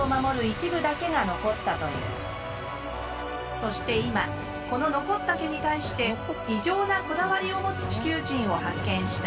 そして今この残った毛に対して異常なこだわりを持つ地球人を発見した。